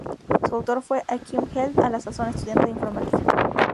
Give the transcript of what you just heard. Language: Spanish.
Su autor fue Achim Held, a la sazón estudiante de informática.